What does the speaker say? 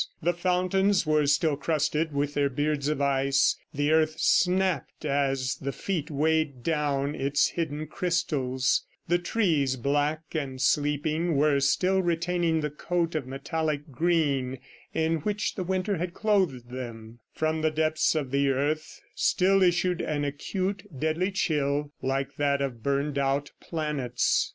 The fountains were still crusted with their beards of ice; the earth snapped as the feet weighed down its hidden crystals; the trees, black and sleeping, were still retaining the coat of metallic green in which the winter had clothed them; from the depths of the earth still issued an acute, deadly chill, like that of burned out planets.